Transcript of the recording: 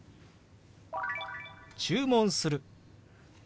「注文する」。